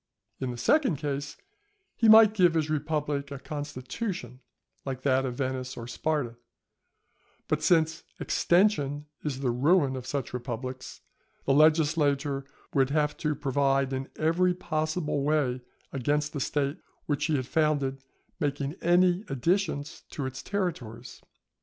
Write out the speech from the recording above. In the second case he might give his republic a constitution like that of Venice or Sparta; but since extension is the ruin of such republics, the legislator would have to provide in every possible way against the State which he had founded making any additions to its territories.